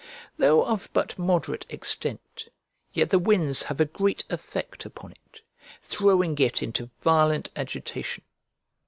Though of but moderate extent, yet the winds have a great effect upon it, throwing it into violent agitation.